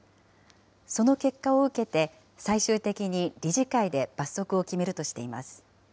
その結果を受けて最終的に理事会で罰則を決めるとしています。